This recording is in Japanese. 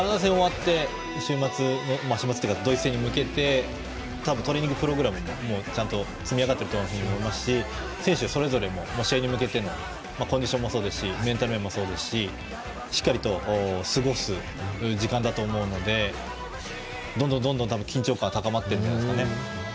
週末、ドイツ戦に向けてトレーニングプログラムももう、ちゃんと積み上がっていると思いますし選手それぞれも試合に向けてのコンディションもそうですしメンタル面もそうですししっかり過ごす時間だと思うのでどんどん、緊張感が高まっているんじゃないですかね。